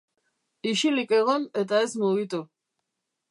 Ixilik egon eta ez mugitu.